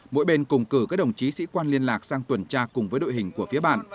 mỗi bên cùng cử các đồng chí sĩ quan liên lạc sang tuần tra cùng với đội hình của phía bản